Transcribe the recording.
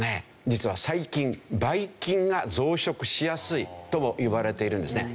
実は細菌バイ菌が増殖しやすいともいわれているんですね。